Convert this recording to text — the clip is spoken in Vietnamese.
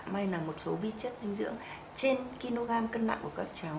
may là một số vi chất dinh dưỡng trên kg cân nặng của các cháu